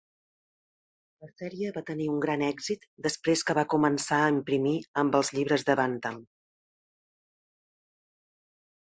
La sèrie va tenir un gran èxit després que va començar a imprimir amb els llibres de Bantam.